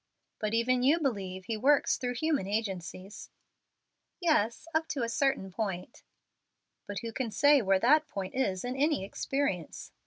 "But even you believe He works through human agencies." "Yes, up to a certain point." "But who can say where that point is in any experience?